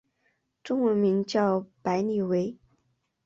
中文名叫白理惟。